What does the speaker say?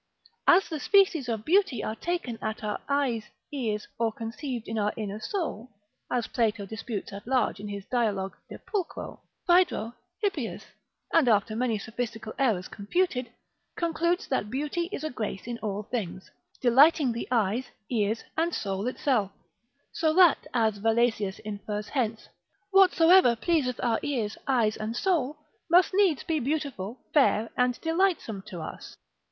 As the species of beauty are taken at our eyes, ears, or conceived in our inner soul, as Plato disputes at large in his Dialogue de pulchro, Phaedro, Hyppias, and after many sophistical errors confuted, concludes that beauty is a grace in all things, delighting the eyes, ears, and soul itself; so that, as Valesius infers hence, whatsoever pleaseth our ears, eyes, and soul, must needs be beautiful, fair, and delightsome to us.